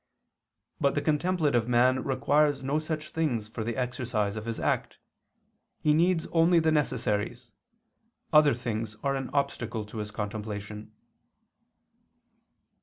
But the contemplative man requires no such things for the exercise of his act: he needs only the necessaries; other things are an obstacle to his contemplation."